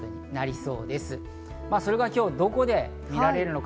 それが今日どこで見られるのか？